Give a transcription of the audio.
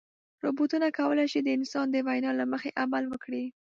روبوټونه کولی شي د انسان د وینا له مخې عمل وکړي.